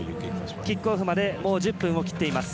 キックオフまでもう１０分を切っています。